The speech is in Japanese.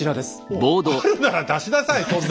おおあるなら出しなさいそんな。